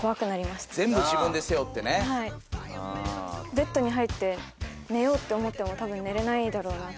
ベッドに入って寝ようって思ってもたぶん寝れないだろうなって。